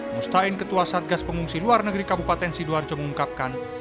mustain ketua satgas pengungsi luar negeri kabupaten sidoarjo mengungkapkan